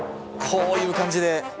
こういう感じで。